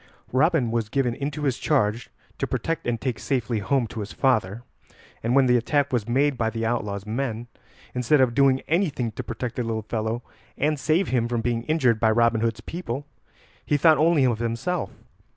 Robin was given into his charge to protect and take safely home to his father, and when the attack was made by the outlaw's men, instead of doing anything to protect the little fellow and save him from being injured by Robin Hood's people, he thought only of himself.